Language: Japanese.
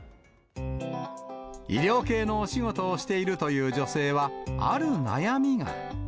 医療系のお仕事をしているという女性は、ある悩みが。